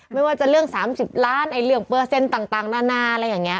ไม่ว่าจะเรื่อง๓๐ล้านเรื่องเปอร์เซ็นต์ต่างนานาอะไรอย่างนี้